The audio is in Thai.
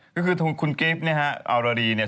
ก็คือคุณกิฟต์เนี่ยฮะอารรีเนี่ย